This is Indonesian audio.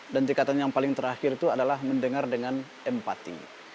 dan tingkatannya yang paling terakhir itu adalah mendengar dengan empati